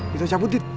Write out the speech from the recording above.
kita cabut dit